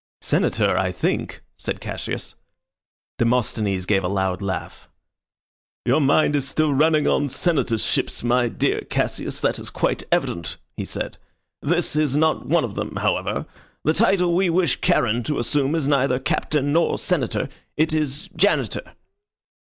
"Senator, I think," said Cassius. Demosthenes gave a loud laugh. "Your mind is still running on Senatorships, my dear Cassius. That is quite evident," he said. "This is not one of them, however. The title we wish Charon to assume is neither Captain nor Senator; it is Janitor."